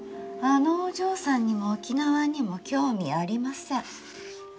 あのお嬢さんにも沖縄にも興味ありません。